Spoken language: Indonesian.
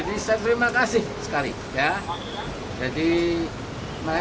masih timbul masih timbul